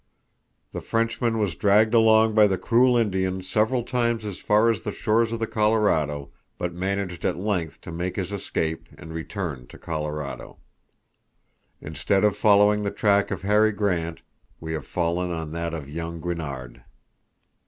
The Frenchman was dragged along by the cruel Indians several times as far as the shores of the Colorado, but managed at length to make his escape, and return to Colorado. Instead of following the track of Harry Grant, we have fallen on that of young Guinnard."